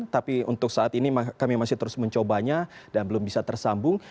tapi untuk saat ini kami masih terus mencobanya dan belum bisa tersambung